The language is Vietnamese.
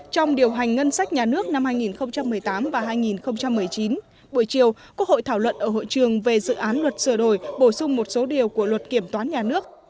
trong điều hành ngân sách nhà nước năm hai nghìn một mươi tám và hai nghìn một mươi chín buổi chiều quốc hội thảo luận ở hội trường về dự án luật sửa đổi bổ sung một số điều của luật kiểm toán nhà nước